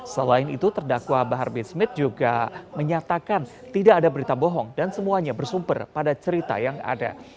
selain itu terdakwa bahar bin smith juga menyatakan tidak ada berita bohong dan semuanya bersumber pada cerita yang ada